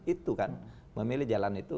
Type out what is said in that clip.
itu kan memilih jalan itu